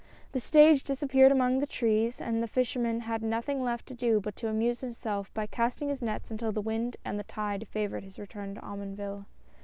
The stage disappeared among the trees, and the fisher man had nothing left to do but to amuse himself by casting his nets until the wind and the tide favored his return to Omonville.